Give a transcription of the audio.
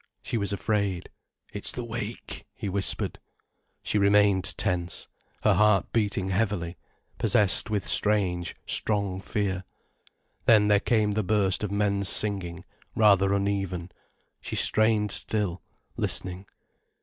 She was afraid. "It's the wake," he whispered. She remained tense, her heart beating heavily, possessed with strange, strong fear. Then there came the burst of men's singing, rather uneven. She strained still, listening.